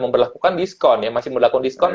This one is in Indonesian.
memperlakukan discount ya masih berlakukan discount